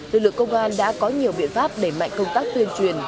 lực lượng công an đã có nhiều biện pháp để mạnh công tác tuyên truyền